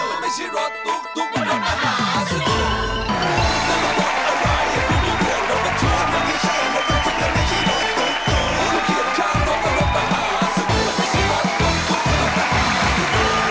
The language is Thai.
มันไม่ใช่รถตุ๊กตุ๊กมันรถมหาสนุก